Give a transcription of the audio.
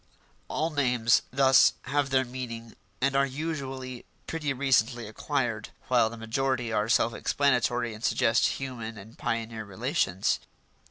All names thus have their meaning and are usually pretty recently acquired, while the majority are self explanatory and suggest human and pioneer relations.